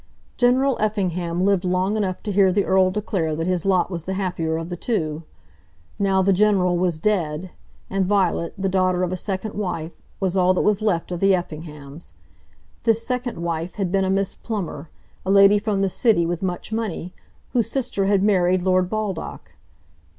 General Effingham lived long enough to hear the Earl declare that his lot was the happier of the two. Now the General was dead, and Violet, the daughter of a second wife, was all that was left of the Effinghams. This second wife had been a Miss Plummer, a lady from the city with much money, whose sister had married Lord Baldock.